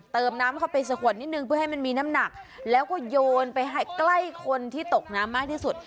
เติมน้ำเข้าไปสะขวดนิดนึงเพื่อให้มันมีน้ำหนักแล้วก็โยนไปให้ใกล้คนที่ตกน้ำมากที่สุด